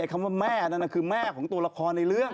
คำว่าแม่นั่นคือแม่ของตัวละครในเรื่อง